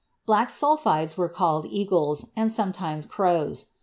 Black sulphides were called "eagles," and sometimes "crows."